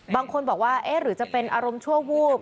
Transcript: บางคนบอกว่าเอ๊ะหรือจะเป็นอารมณ์ชั่ววูบ